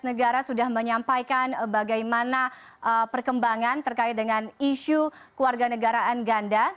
negara sudah menyampaikan bagaimana perkembangan terkait dengan isu keluarga negaraan ganda